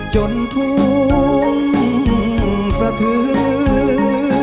จนทุ่มสะเทือน